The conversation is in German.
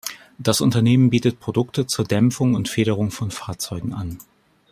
Das Unternehmen bietet Produkte zur Dämpfung und Federung von Fahrzeugen an.